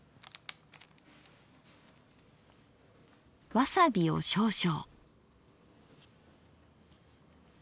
わさびを少々。